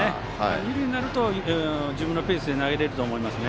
二塁になると自分のペースで投げれると思います。